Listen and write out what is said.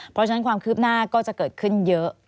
เพราะฉะนั้นความคืบหน้าก็จะเกิดขึ้นเยอะ